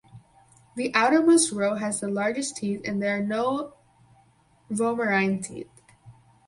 The outermost row has the largest teeth and there are no vomerine teeth.